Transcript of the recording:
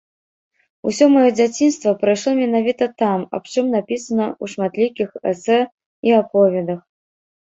Усё маё дзяцінства прайшло менавіта там, аб чым напісана ў шматлікіх эсэ і аповедах.